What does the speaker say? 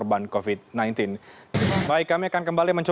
ya kami dengar pak ni am kami dengar